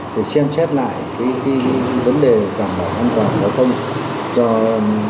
để xem xét lại cái vấn đề cản bảo an toàn của nó không